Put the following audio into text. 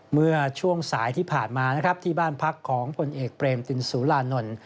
เมื่อช่วงสายที่ผ่านมานะครับที่บ้านพักของผลเอกเปรมตินสุรานนท์